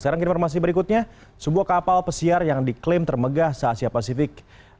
sekarang ke informasi berikutnya sebuah kapal pesiar yang diklaim termegah se asia pasifik